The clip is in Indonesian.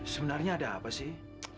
sebenarnya ada apa sih